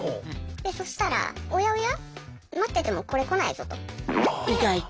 でそしたら「おやおや？待っててもこれ来ないぞ」と。